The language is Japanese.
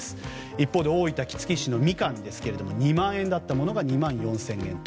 一方、大分・杵築市のミカンは２万円だったものが２万４０００円。